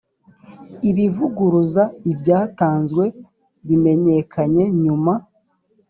ibivuguruza ibyatanzwe bimenyekanye nyuma